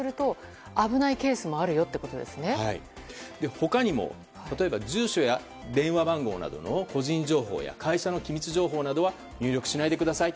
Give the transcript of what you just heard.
他にも、例えば住所や電話番号などの個人情報や会社の機密情報などは入力しないでください。